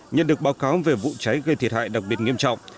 nhận được báo cáo về vụ cháy gây thiệt hại đặc biệt nghiêm trọng